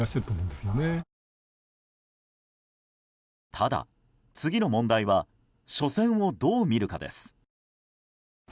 ただ、次の問題は初戦をどう見るかです。